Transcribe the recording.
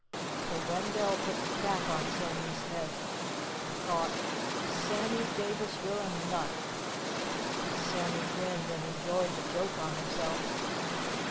So Wendell put the Cap on Sammy's head and thought, "Sammy Davis, you're a nut!" and Sammy grinned and enjoyed the joke on himself.